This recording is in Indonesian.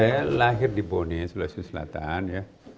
iya saya lahir di boni selalu sih selatan ya